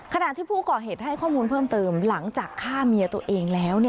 ขณะที่ผู้ก่อเหตุให้ข้อมูลเพิ่มเติมหลังจากฆ่าเมียตัวเองแล้ว